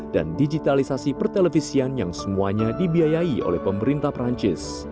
dan digitalisasi pertelevisian yang semuanya dibiayai oleh pemerintah perancis